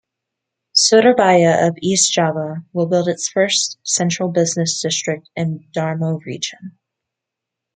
Surabaya of East Java, will build its first central business district in Darmo region.